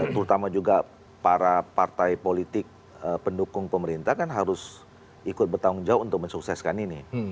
terutama juga para partai politik pendukung pemerintah kan harus ikut bertanggung jawab untuk mensukseskan ini